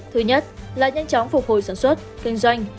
thứ nhất là nhanh chóng phục hồi sản xuất kinh doanh